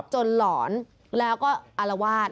จนหลอนแล้วก็อลวาด